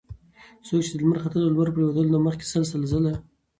څوک چې د لمر ختلو او لمر پرېوتلو نه مخکي سل سل ځله